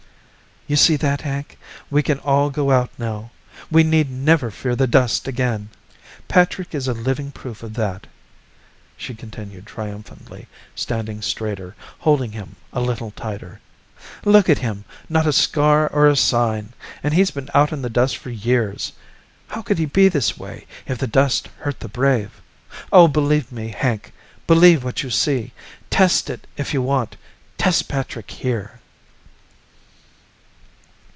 "You see, Hank? We can all go out now. We need never fear the dust again. Patrick is a living proof of that," she continued triumphantly, standing straighter, holding him a little tighter. "Look at him. Not a scar or a sign, and he's been out in the dust for years. How could he be this way, if the dust hurt the brave? Oh, believe me, Hank! Believe what you see. Test it if you want. Test Patrick here."